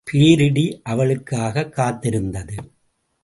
பேரிடி அவளுக்காகக் காத்திருந்தது.